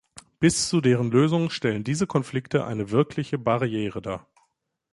Bis zu deren Lösung stellen diese Konflikte eine wirkliche Barriere dar.